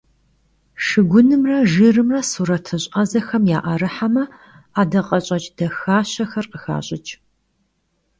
Şşıgunımre jjırımre suretış' 'ezexem ya'erıheme, 'edakheş'eç' daxaşexer khıxaş'ıç'.